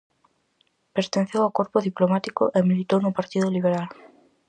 Pertenceu ao corpo diplomático e militou no Partido Liberal.